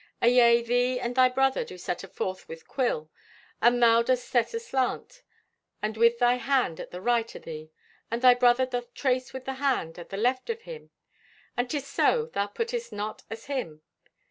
Ayea, thee and thy brother do set forth with quill, and thou dost set aslant, and with thy hand at the right o' thee. And thy brother doth trace with the hand at the left of him. And 'tis so, thou puttest not as him.